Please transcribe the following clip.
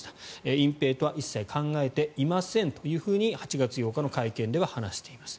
隠ぺいとは一切考えていませんと８月８日の会見では話しています。